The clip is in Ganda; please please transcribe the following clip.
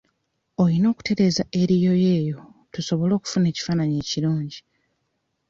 Oyina kutereeza eriyo eyo tusobole okufuna ekifaananyi ekirungi.